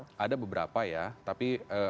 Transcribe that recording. ya ada beberapa yang punya catatan seperti itu